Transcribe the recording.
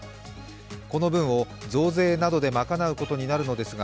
この分を増税などで賄うことになるのですが、